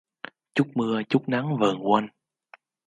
Chút mưa, chút nắng vờn quanh